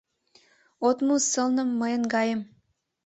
От му сылным мыйын гайым